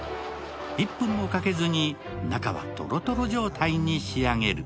１分もかけずに中はとろとろ状態に仕上げる。